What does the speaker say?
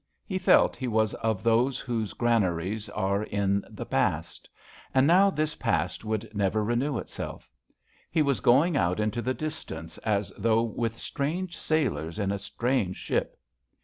He felt he was of those whose granaries are in the past. And now this past would never renew itself. He was going out into the distance as though with strange sailors in a strange ship.